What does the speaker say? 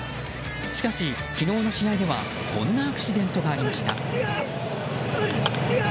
しかし、昨日の試合ではこんなアクシデントがありました。